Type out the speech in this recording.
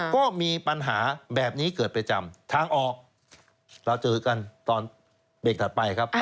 ก็มีปัญหาแบบนี้เกิดประจำทางออกเราเจอกันตอนเบรกถัดไปครับ